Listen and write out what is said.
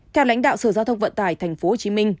theo lãnh đạo sở giao thông vận tải tp hcm